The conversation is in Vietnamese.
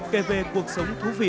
kể về cuộc sống thú vị